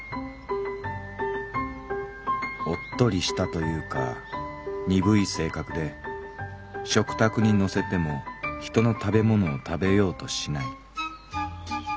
「おっとりしたというか鈍い性格で食卓に載せてもヒトの食べ物を食べようとしない。